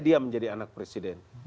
dia menjadi anak presiden